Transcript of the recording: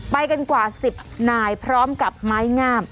ไปกันกว่า๑๐นายพร้อมกับไม้งาม